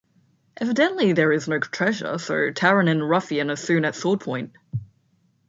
Evidently there is no treasure, so Taran and the ruffian are soon at swordpoint.